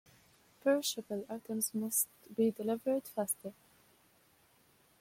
Perishable items must be delivered faster.